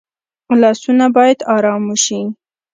لاسونه باید آرام وشي